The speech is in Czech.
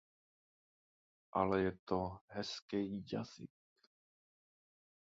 Ale je to hezkej jazyk.